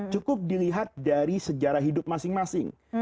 cukup dilihat dari sejarah hidup masing masing